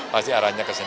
pasti arahnya ke saya